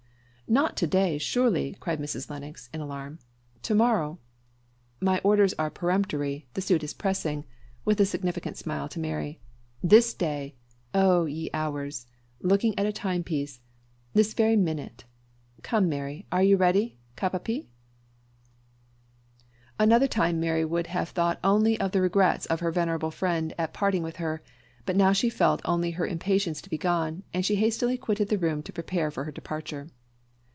"Not to day, surely," cried Mrs. Lennox, in alarm; "to morrow " "My orders are peremptory the suit is pressing," with a significant smile to Mary; "this day oh, ye hours!" looking at a timepiece, "this very minute. Come Mary are you ready cap à pie?" At another time Mary would have thought only of the regrets of her venerable friend at parting with her; but now she felt only her own impatience to be gone, and she hastily quitted the room to prepare for her departure.